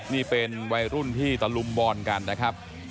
นี่เป็นวัยรุ่นที่ตะลุมบอลกันนะครับ